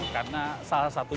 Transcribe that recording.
karena salah satu